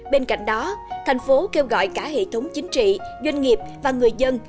bên cạnh đó thành phố kêu gọi cả hệ thống chính trị doanh nghiệp và người dân